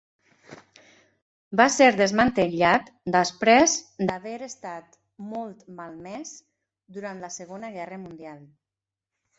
Va ser desmantellat després d'haver estat molt malmès durant la Segona Guerra Mundial.